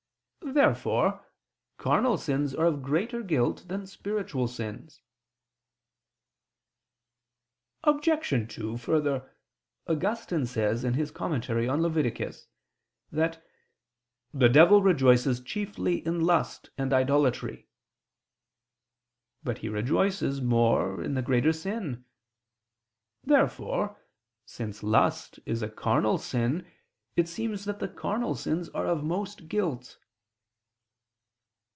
Therefore carnal sins are of greater guilt than spiritual sins. Obj. 2: Further, Augustine says in his commentary on Leviticus [*The quotation is from De Civ. Dei ii, 4 and iv, 31.] that "the devil rejoices chiefly in lust and idolatry." But he rejoices more in the greater sin. Therefore, since lust is a carnal sin, it seems that the carnal sins are of most guilt.